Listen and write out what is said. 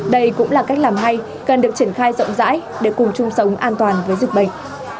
đây cũng là cách làm hay cần được triển khai rộng rãi để cùng chung sống an toàn với dịch bệnh